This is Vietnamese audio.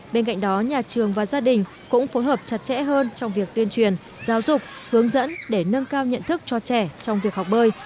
bên cạnh đó nhà trường và gia đình cũng phối hợp chặt chẽ hơn trong việc tuyên truyền giáo dục hướng dẫn để nâng cao nhận thức cho trẻ trong việc học bơi